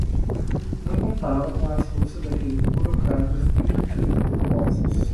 Não contava com a astúcia daqueles burocratas inescrupulosos